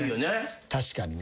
確かにね。